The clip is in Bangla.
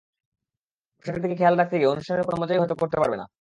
পোশাকের দিকে খেয়াল রাখতে গিয়ে অনুষ্ঠানের কোনো মজাই হয়তো করতে পারবে না।